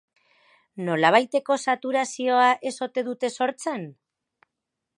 Nolabaiteko saturazioa ez ote dute sortzen?